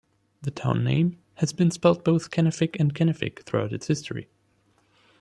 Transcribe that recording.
The town name has been spelled both Kenefic and Kenefick throughout its history.